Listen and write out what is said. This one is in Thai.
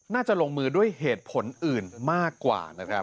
ลงมือด้วยเหตุผลอื่นมากกว่านะครับ